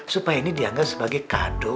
supaya ini dianggap sebagai kado